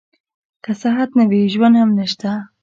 که صحت نه وي ژوند هم نشته.